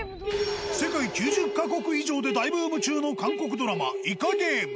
世界９０か国以上で大ブーム中の韓国ドラマ、イカゲーム。